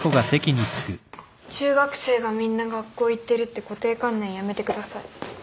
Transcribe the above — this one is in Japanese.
中学生がみんな学校行ってるって固定観念やめてください。